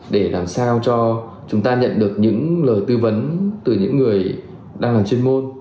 để làm sao cho chúng ta nhận được những lời tư vấn từ những người đang làm chuyên môn